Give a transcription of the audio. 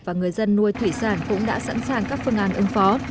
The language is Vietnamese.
và người dân nuôi thủy sản cũng đã sẵn sàng các phương án ứng phó